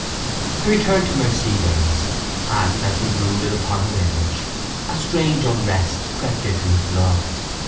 He returned to Mercedes and, as he brooded upon her image, a strange unrest crept into his blood.